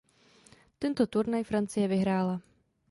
Tento turnaj Francie vyhrála.